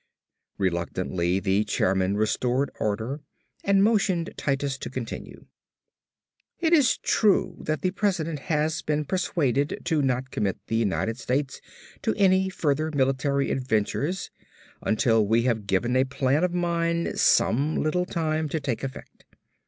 Reluctantly, the chairman restored order and motioned Titus to continue. "It is true that the President has been persuaded to not commit the United States to any further military adventures until we have given a plan of mine some little time to take effect.